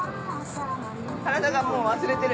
体がもう忘れてる。